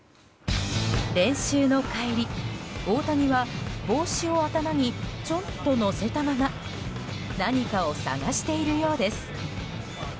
練習の帰り、大谷は帽子を頭にちょんと載せたまま何かを探しているようです。